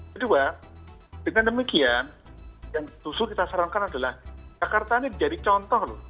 kedua dengan demikian yang justru kita sarankan adalah jakarta ini jadi contoh loh